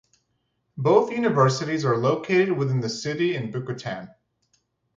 Both universities are located within the city in Bicutan.